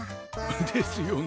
ですよね。